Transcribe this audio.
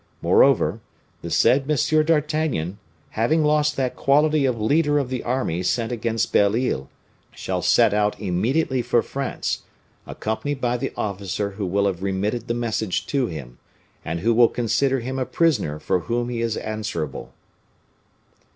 Moreover, the said Monsieur d'Artagnan, having lost that quality of leader of the army sent against Belle Isle, shall set out immediately for France, accompanied by the officer who will have remitted the message to him, and who will consider him a prisoner for whom he is answerable."